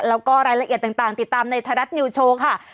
แล้วก็รายละเอียดต่างติดตามในไทยรัฐนิวโชว์ค่ะ